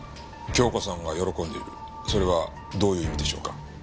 京子さんが喜んでいるそれはどういう意味でしょうか？